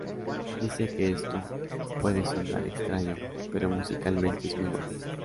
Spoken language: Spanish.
Dice que "esto puede sonar extraño, pero musicalmente es muy bueno".